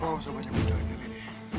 lo gak usah banyak berjalan jalan